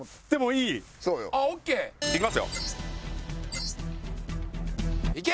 いきます。